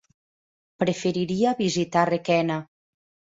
Preferiria visitar Requena.